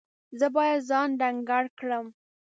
زه باید ځان ډنګر کړم.